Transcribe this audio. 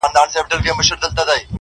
پاتا د ترانو ده غلبلې دي چي راځي٫